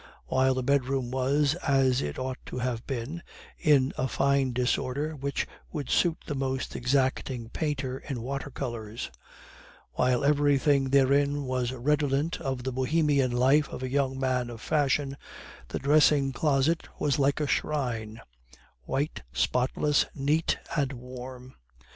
While the bedroom was, as it ought to have been, in a fine disorder which would suit the most exacting painter in water colors; while everything therein was redolent of the Bohemian life of a young man of fashion, the dressing closet was like a shrine white, spotless, neat, and warm.